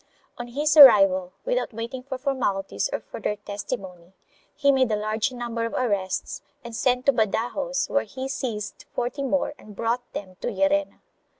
On his arrival, without waiting for formalities or further testimony, he made a large number of arrests and sent to Badajoz where he seized forty more and brought them to Llerena.